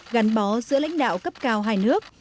gắn bó giữa lãnh đạo cấp cao hai nước